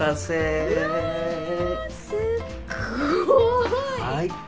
すごい！